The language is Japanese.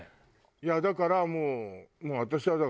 いやだからもう。